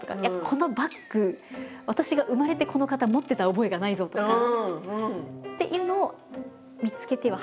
このバッグ私が生まれてこのかた持ってた覚えがないぞとか。